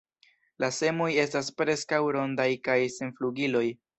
La semoj estas preskaŭ rondaj kaj sen flugiloj.